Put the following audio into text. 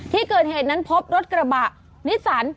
ที่เกิดเหตุนั้นพบรถกระบะนิสสัน